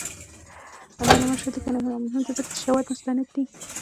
د علامه رشاد لیکنی هنر مهم دی ځکه چې شواهد مستند دي.